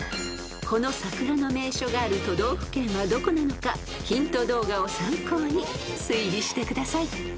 ［この桜の名所がある都道府県はどこなのかヒント動画を参考に推理してください］